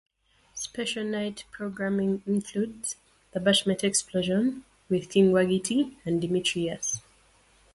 Special Friday night programming includes "The Bashment Explosion" with King Waggy Tee and Demetrius.